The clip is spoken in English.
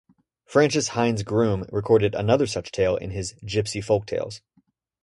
Francis Hindes Groome recorded another such tale in his "Gypsy Folk Tales".